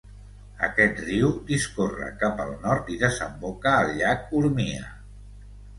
Aquest riu discorre cap al nord i desemboca al llac Urmia.